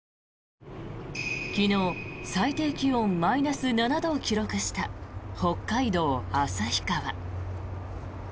昨日、最低気温マイナス７度を記録した北海道旭川。